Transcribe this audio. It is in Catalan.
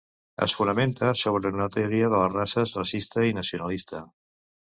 Es fonamenta sobre una teoria de les races racista i nacionalista.